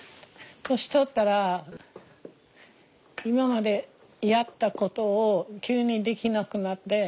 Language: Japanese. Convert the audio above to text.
年取ったら今までやったことを急にできなくなって。